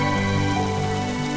tapi jangan minta paham